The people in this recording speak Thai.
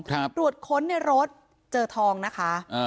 ตรวจค้นในรถเจอทองนะคะอ่า